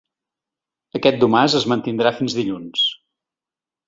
Aquest domàs es mantindrà fins dilluns.